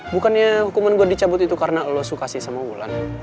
bukannya hukuman gue dicabut itu karena allah suka sih sama wulan